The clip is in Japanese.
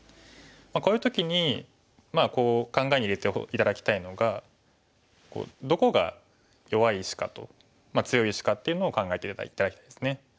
こういう時にまあ考えに入れて頂きたいのがどこが弱い石かと強い石かっていうのを考えて頂きたいですね。